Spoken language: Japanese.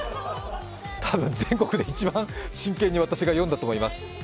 たぶん全国で一番真剣に私が読んだと思います。